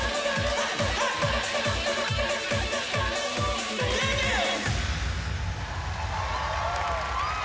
はいはーい！